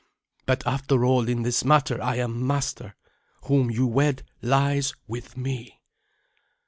But after all, in this matter I am master. Whom you wed lies with me."